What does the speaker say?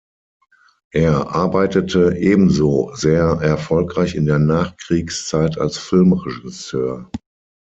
Er arbeitete ebenso sehr erfolgreich in der Nachkriegszeit als Film-Regisseur.